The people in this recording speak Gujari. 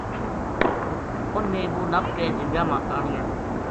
انھ نے وہ نپ کے جرگا ما آنیو